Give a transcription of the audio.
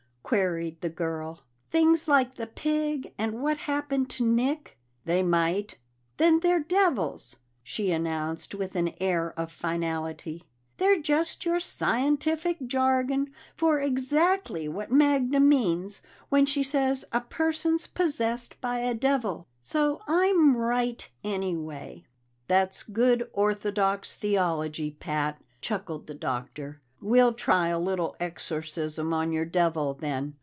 queried the girl. "Things like the pig and what happened to Nick?" "They might." "Then they're devils!" she announced with an air of finality. "They're just your scientific jargon for exactly what Magda means when she says a person's possessed by a devil. So I'm right anyway!" "That's good orthodox theology, Pat," chuckled the Doctor. "We'll try a little exorcism on your devil, then."